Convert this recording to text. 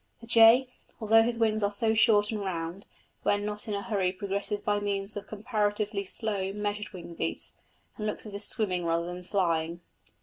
The jay, although his wings are so short and round, when not in a hurry progresses by means of comparatively slow, measured wing beats, and looks as if swimming rather than flying.